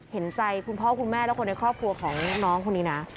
เห็นใจคุณพ่อคุณแม่และคนในครอบครัวของน้องคนนี้นะ